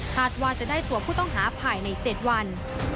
ว่าจะได้ตัวผู้ต้องหาภายใน๗วัน